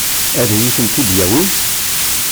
Ad iyi-tent-id-yawi?